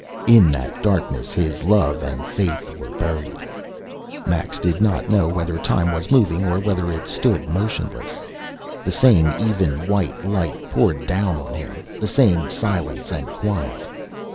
In that darkness his love and faith were buried. Max did not know whether time was moving or whether it stood motionless. The same even, white light poured down on him the same silence and quiet.